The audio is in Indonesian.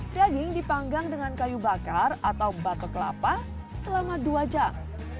daging dipanggang dengan kayu bakar atau batok kelapa selama dua jam